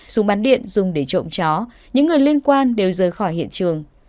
súng bắn điện dùng để trộm chó những người liên quan đều rời khỏi hiện trường